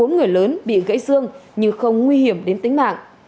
bốn người lớn bị gãy xương nhưng không nguy hiểm đến tính mạng